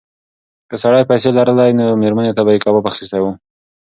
که سړي پیسې لرلای نو مېرمنې ته به یې کباب اخیستی و.